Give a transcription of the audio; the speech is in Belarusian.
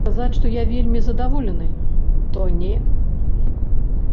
Сказаць, што я вельмі задаволены, то не.